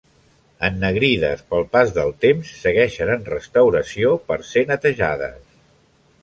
Ennegrides pel pas del temps segueixen en restauració per ser netejades.